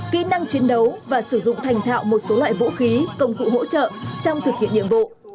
kỹ năng chiến đấu và sử dụng thành thạo một số loại vũ khí công cụ hỗ trợ trong thực hiện nhiệm vụ